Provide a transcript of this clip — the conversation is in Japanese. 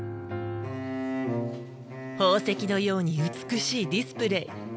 宝石のように美しいディスプレー。